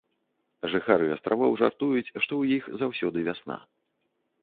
Жыхары астравоў жартуюць, што ў іх заўсёды вясна.